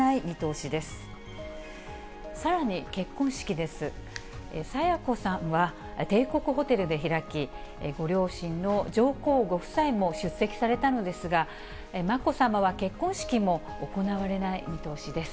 清子さんは、帝国ホテルで開き、ご両親の上皇ご夫妻も出席されたのですが、まこさまは結婚式も行われない見通しです。